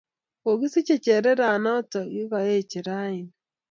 Kokisiche cherere noto ya koeche rauni